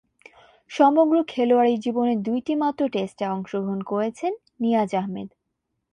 সমগ্র খেলোয়াড়ী জীবনে দুইটিমাত্র টেস্টে অংশগ্রহণ করেছেন নিয়াজ আহমেদ।